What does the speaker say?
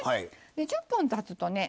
１０分たつとね。